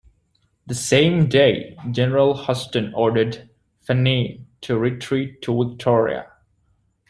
The same day, General Houston ordered Fannin to retreat to Victoria.